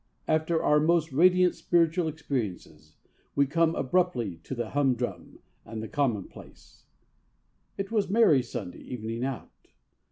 After our most radiant spiritual experiences we come abruptly to the humdrum and the commonplace. It was Mary's Sunday evening out.